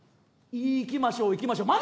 「行きましょう行きましょう」